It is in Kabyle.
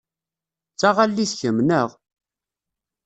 D taɣallit kemm, neɣ?